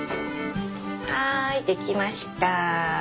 はい出来ました！